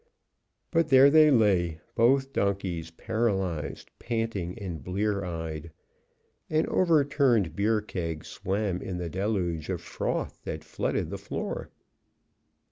But there they lay, both donkeys paralyzed, panting and blear eyed. An overturned beer keg swam in the deluge of froth that flooded the floor.